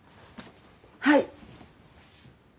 はい。